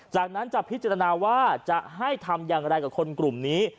จากนั้นจะพิจารณาว่าจะให้ทำอย่างไรกับคนกลุ่มนี้